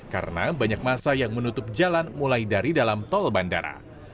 karena banyak masa yang menutup jalan mulai dari dalam tol bandara